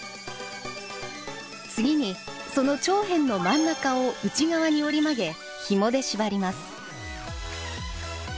次にその長編の真ん中を内側に折り曲げひもでしばります。